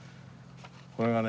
これがね